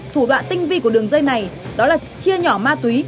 thủ đoạn tinh vi của đường dây này đó là chia nhỏ ma túy